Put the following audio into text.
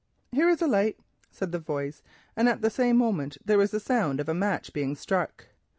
"Here is a light," said the voice, and at the same moment there was a sound of a match being struck.